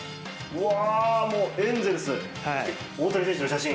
もうエンゼルス大谷選手の写真。